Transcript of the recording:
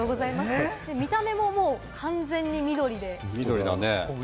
見た目ももう完全に緑で。